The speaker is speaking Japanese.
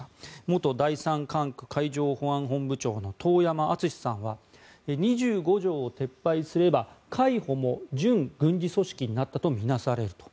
元第三管区海上保安本部長の遠山純司さんは２５条を撤廃すれば海保も準軍事組織になったと見なされると。